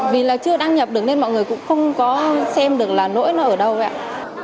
vì là chưa đăng nhập được nên mọi người cũng không có xem được là nỗi nó ở đâu vậy ạ